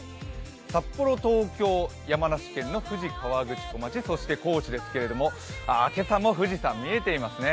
札幌、東京、山梨県の富士河口湖町そして、高知ですけど今朝も富士山見えていますね